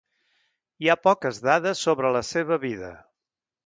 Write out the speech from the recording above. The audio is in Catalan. Hi ha poques dades sobre la seva vida.